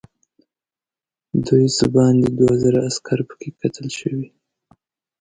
دوی څه باندې دوه زره عسکر پکې قتل شوي.